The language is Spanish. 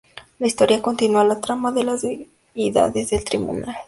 La historia continúa la trama de las deidades del Tribunal.